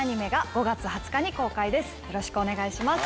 よろしくお願いします。